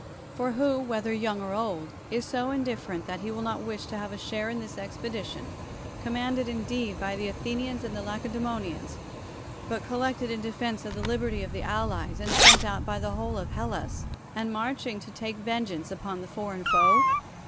For who, whether yt'ung or old, is so indifferent that he will not wish to have a share in this expedi tion, commanded indeed by the Athenians and Lacedtemonians, but collected in defense of the liberty of the allies, and sent out by the whole of Hellas, and marching to take vengeance upon the foreign foe?